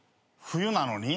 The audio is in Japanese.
冬なのに？